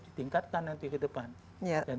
ditingkatkan nanti ke depan